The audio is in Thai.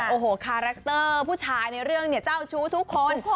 โอ้โหคาแรคเตอร์ผู้ชายในเรื่องเนี่ยเจ้าชู้ทุกคน